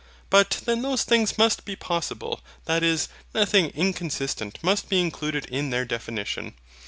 But then those things must be possible, that is, nothing inconsistent must be included in their definition.